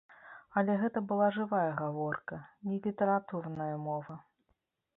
Але гэта была жывая гаворка, не літаратурная мова.